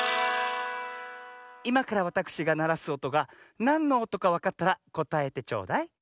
いまからわたくしがならすおとがなんのおとかわかったらこたえてちょうだい。